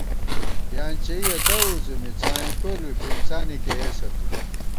ݪِیانچېئیَہ دڑ وُځُمی څائیں کول بی پِنڅانےکېئیسہ تُو